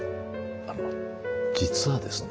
あの実はですね